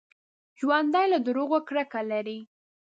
ژوندي له دروغو کرکه لري